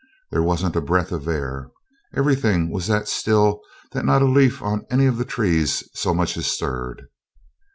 There wasn't a breath of air; everything was that still that not a leaf on any of the trees so much as stirred.